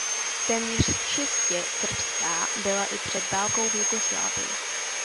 Téměř čistě srbská byla i před válkou v Jugoslávii.